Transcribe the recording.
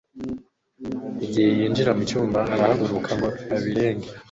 igihe yinjira mu cyumba, arahaguruka ngo ibirenge